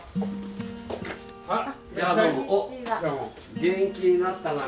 元気になったがね。